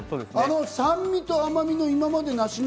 酸みと甘みの。